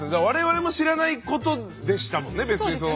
我々も知らないことでしたもんね別に。